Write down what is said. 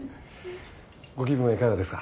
ご気分はいかがですか？